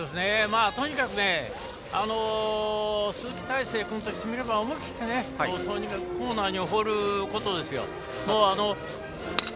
とにかく鈴木泰成君としてみれば思い切ってコーナーに放ることですよ。